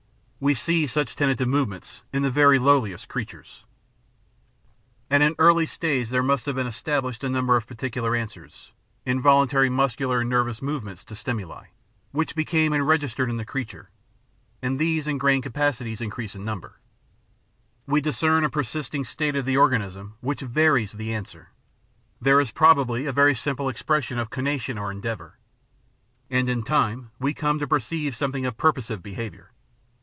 We see such tentative movements in the very lowliest creatures (see Vol. I., p. 76). 544 The Outline of Science At an early stage there must have been established a number of particular answers (involuntary muscular and nervous move ments) to stimuli, which became enregistered in the creature, and these ingrained capacities increase in number. We discern a persisting state of the organism which varies the answers ; there is probably a simple expression of conation or endeavour. And in time we come to perceive something of purposive behaviour.